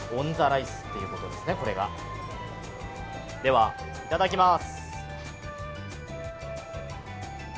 では、いただきます。